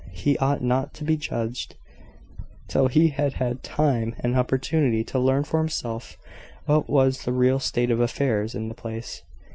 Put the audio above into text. He ought not to be judged till he had had time and opportunity to learn for himself what was the real state of affairs in the place.